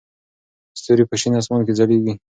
ستوري په شین اسمان کې ځلېږي.